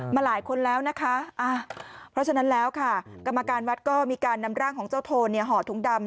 หลายคนแล้วนะคะเพราะฉะนั้นแล้วค่ะกรรมการวัดก็มีการนำร่างของเจ้าโทนห่อถุงดำ